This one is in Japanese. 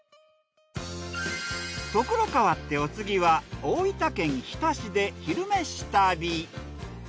ところ変わってお次は大分県日田市で「昼めし旅」。